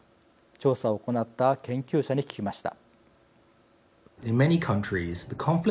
調査を行った研究者に聞きました。